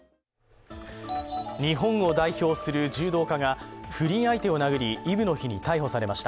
日本を代表する柔道家が不倫相手を殴り、イブの日に逮捕されました。